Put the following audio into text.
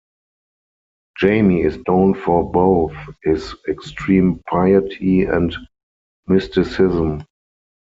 Jami is known for both his extreme piety and mysticism.